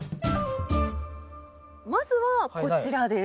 まずはこちらです。